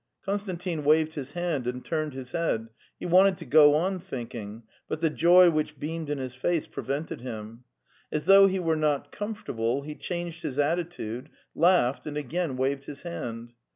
; Konstantin waved his hand and tuened his head; he wanted to go on thinking, but the joy which beamed in his face prevented him. As though he were not comfortable, he changed his attitude, laughed, and again waved his hand.